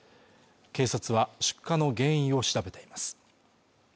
警察は出火の原因を調べています